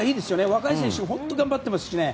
若い選手が本当に頑張っていますし。